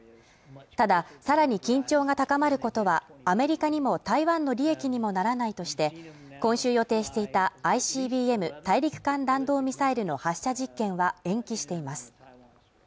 たださらに緊張が高まることはアメリカにも台湾の利益にもならないとして今週予定していたＩＣＢＭ＝大陸間弾道ミサイルの発射実験は延期しています